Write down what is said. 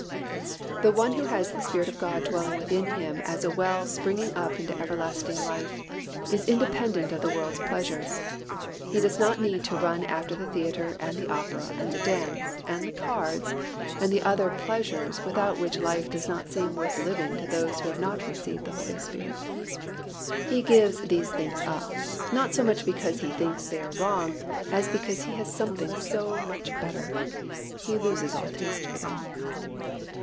The one who has the Spirit of God dwelling within as a well springing up into everlasting life is independent of the world's pleasures. He does not need to run after the theatre and the opera and the dance and the cards and the other pleasures without which life does not seem worth living to those who have not received the Holy Spirit. He gives these things up, not so much because he thinks they are wrong, as because he has something so much better. He loses all taste for them.